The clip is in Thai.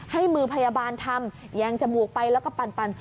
ให้มือพยาบาลทำแยงจมูกไปแล้วก็ปั่น